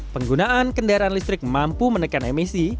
penggunaan kendaraan listrik mampu menekan emisi